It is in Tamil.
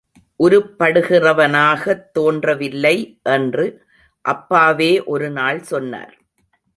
உருப்படுகிறவனாகத் தோன்ற வில்லை என்று அப்பாவே ஒரு நாள் சொன்னார்.